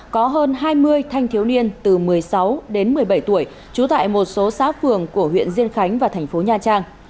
có hơn hai mươi thanh thiếu niên từ một mươi sáu đến một mươi bảy tuổi trú tại một số xã phường của huyện diên khánh và thành phố nha trang